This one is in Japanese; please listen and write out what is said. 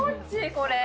これ。